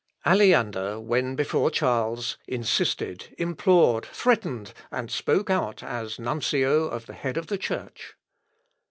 Aleander, when before Charles, insisted, implored, threatened, and spoke out as nuncio of the head of the Church.